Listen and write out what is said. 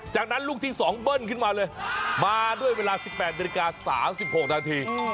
จากนั้นลูกที่๒เบิ้ลขึ้นมาเลยมาด้วยเวลา๑๘นาฬิกา๓๖นาที